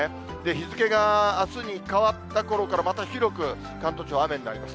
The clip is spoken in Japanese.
日付があすに変わったころから、また広く関東地方、雨になります。